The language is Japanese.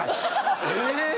え⁉